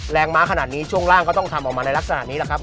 แรงม้าขนาดนี้ช่วงล่างก็ต้องทำออกมาในลักษณะนี้